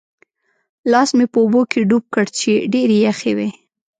لاس مې په اوبو کې ډوب کړ چې ډېرې یخې وې.